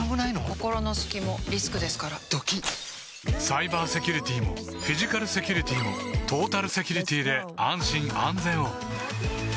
心の隙もリスクですからドキッサイバーセキュリティもフィジカルセキュリティもトータルセキュリティで安心・安全を